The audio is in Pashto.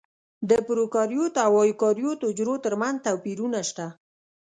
د پروکاریوت او ایوکاریوت حجرو ترمنځ توپیرونه شته.